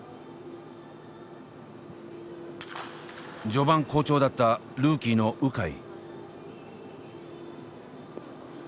序盤好調だったルーキーの鵜飼。